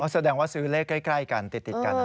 ดูแหล่งว่าซื้อเลขใกล้กันติดกันนะครับ